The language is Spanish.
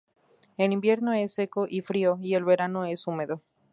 El invierno es seco y frío y el verano es húmedo.